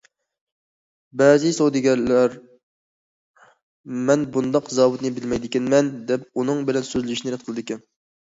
بەزى سودىگەرلەر« مەن بۇنداق زاۋۇتنى بىلمەيدىكەنمەن» دەپ، ئۇنىڭ بىلەن سۆزلىشىشنى رەت قىلىدىكەن.